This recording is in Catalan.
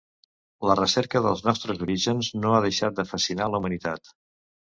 La recerca dels nostres orígens no ha deixat de fascinar la humanitat.